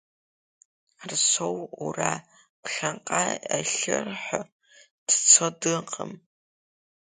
Арсоу Ура, ԥхьаҟа ахьырҳәо дцо дыҟам.